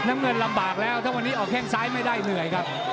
น้ำเงินลำบากแล้วถ้าวันนี้ออกแข้งซ้ายไม่ได้เหนื่อยครับ